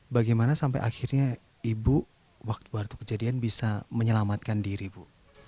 bagaimana sampai akhirnya ibu waktu kejadian bisa menyelamatkan diri bu